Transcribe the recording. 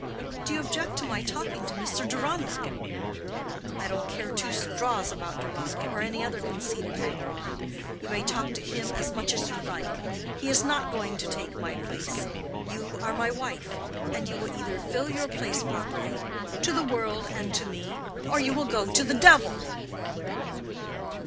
"Do you object to my talking to Mr. Deronda?" "I don't care two straws about Deronda, or any other conceited hanger on. You may talk to him as much as you like. He is not going to take my place. You are my wife. And you will either fill your place properly—to the world and to me—or you will go to the devil."